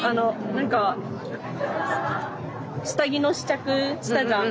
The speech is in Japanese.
何か下着の試着したじゃん。